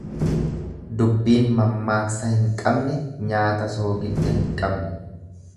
Dubbiin mammaaksa hin qabne nyaata soogidda hin qabne.